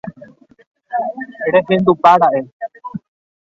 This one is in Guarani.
Rehendúpara'e.